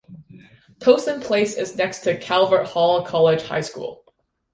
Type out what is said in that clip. Towson Place is next to Calvert Hall College High School.